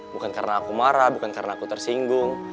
bukan karena aku marah bukan karena aku tersinggung